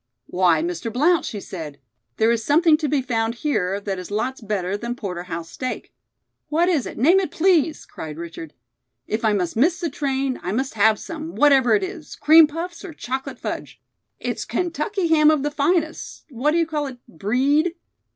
"Why, Mr. Blount," she said, "there is something to be found here that is lots better than porter house steak." "What is it? Name it, please!" cried Richard. "If I must miss the train, I must have some, whatever it is cream puffs or chocolate fudge?" "It's Kentucky ham of the finest, what do you call it breed?